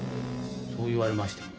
そう言われましても。